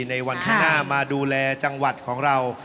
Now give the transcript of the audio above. ในวันข้างหน้ามาดูแลจังหวัดของเรา